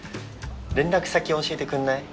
連絡先教えてくんない？